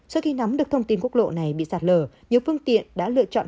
sau khi nắm được thông tin quốc lộ này bị sạt lở nhiều phương tiện đã lựa chọn